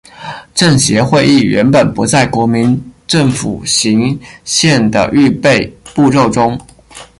政协会议原本不在国民政府行宪的预备步骤中。